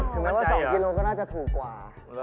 แม้ว่า๒กิโลก็น่าจะถูกกว่า